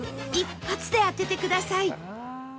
１発で当ててください